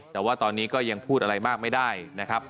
แต่ว่าตอนนี้ก็ยังพูดอะไรมากไม่ได้นะครับ